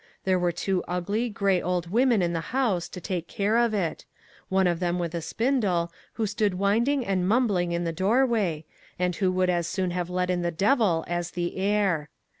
There were two ugly, grey old women in the house, to take care of it; one of them with a spindle, who stood winding and mumbling in the doorway, and who would as soon have let in the devil as the air.